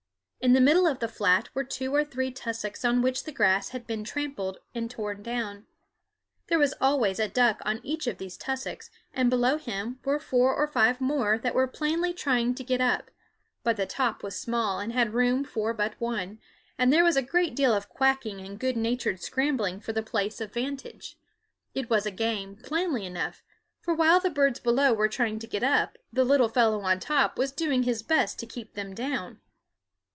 In the middle of the flat were two or three tussocks on which the grass had been trampled and torn down. There was always a duck on each of these tussocks, and below him were four or five more that were plainly trying to get up; but the top was small and had room for but one, and there was a deal of quacking and good natured scrambling for the place of vantage. It was a game, plainly enough, for while the birds below were trying to get up the little fellow on top was doing his best to keep them down.